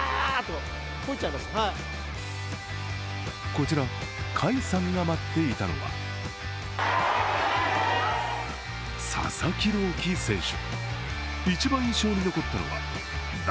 こちら、甲斐さんが待っていたのは佐々木朗希選手。